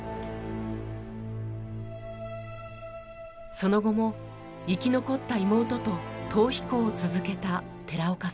その後も生き残った妹と逃避行を続けた寺岡さん。